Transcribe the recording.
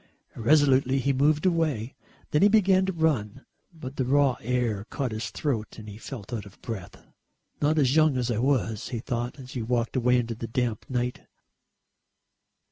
Irresolutely he moved away. Then he began to run, but the raw air caught his throat and he felt out of breath. "Not as young as I was," he thought as he walked away into the damp night.